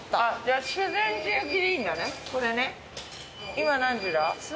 今何時だ？